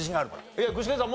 いや具志堅さん